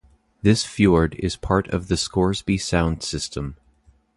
This fjord is part of the Scoresby Sound system.